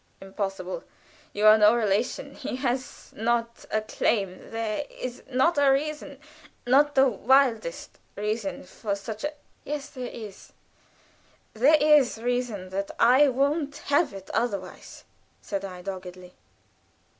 "Impossible! You are no relation he has not a claim there is not a reason not the wildest reason for such a " "Yes, there is; there is the reason that I won't have it otherwise," said I, doggedly.